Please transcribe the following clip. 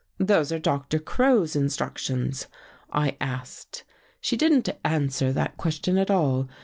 "'Those are Doctor Crow's instructions?' I asked. " She didn't answer that question at all.